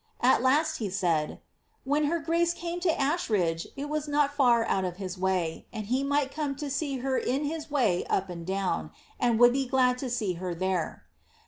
At last he said, ^ when her grace came to Asheridge it was not far out of his way, and he might come to see her in his way up and down, and would be glad to see her there.